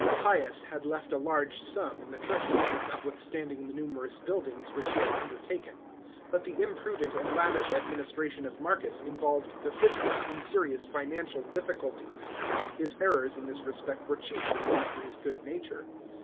§ 6. Pius had left a large sum in the treasury, notwithstanding the numerous buildings which he had undertaken ; but the imprudent and lavish administration of Marcus involved the fiscus in serious financial difficulties. His errors in this respect were chiefly due to his good nature.